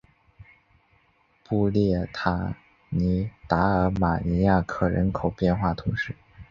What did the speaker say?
布列塔尼达尔马尼亚克人口变化图示